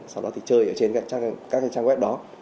sau đó thì chơi ở trên các cái trang web đó